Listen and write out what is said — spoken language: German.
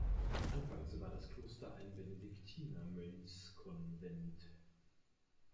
Anfangs war das Kloster ein Benediktiner-Mönchskonvent.